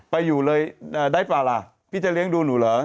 ไปอยู่เลยได้เปล่าล่ะพี่จะเลี้ยงดูหนูเหรอ